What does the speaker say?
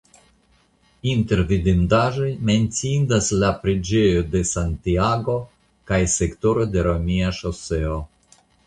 Inter vidindaĵoj menciindas la preĝejo de Santiago kaj sektoro de romia ŝoseo.